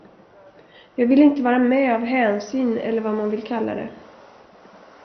Jag ville inte vara med av hänsyn eller vad man vill kalla det.